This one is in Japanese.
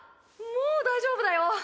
もう大丈夫だよ。